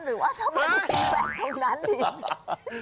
หรือว่าทำไมต้องไปนั่งตรงนั้นดิ